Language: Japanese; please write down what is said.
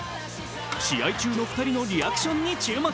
試合中の２人乗りアクションに注目